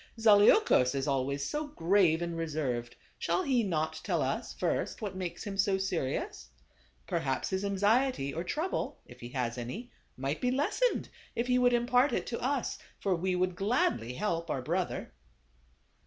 Zaleukos is always so grave and reserved ; shall he not tell us, first, what makes him so serious ? Perhaps his anxiety or trouble, if he has any, might be lessened if he would impart it to us ; for we would gladly help our brother."